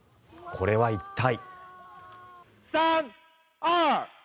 これは一体。